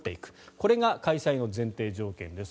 これが開催の前提条件です